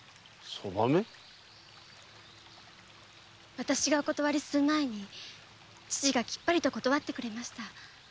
私がお断りする前に父がきっぱりと断ってくれました。